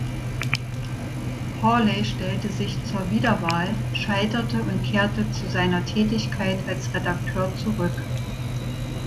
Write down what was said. Hawley stellte sich zur Wiederwahl, scheiterte und kehrte zu seiner Tätigkeit als Redakteur zurück.